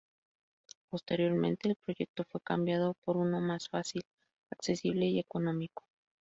Posteriormente, el proyecto fue cambiado por uno más "fácil", accesible y económico.